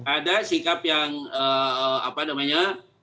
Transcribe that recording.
ada sikap yang apa namanya